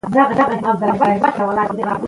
که زه ناکام شوم، بیا به هڅه وکړم.